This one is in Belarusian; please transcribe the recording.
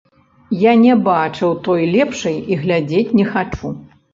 Я не бачыў той лепшай і глядзець не хачу.